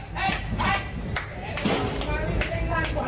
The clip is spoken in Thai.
ยืนแก้นดีกว่ายืนแก้นดีกว่า